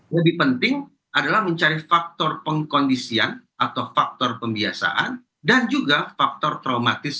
lebih penting adalah mencari faktor pengkondisian atau faktor pembiasaan dan juga faktor traumatis